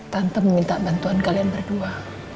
tanpa meminta bantuan kalian berdua